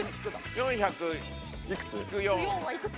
４００−４。はいくつ？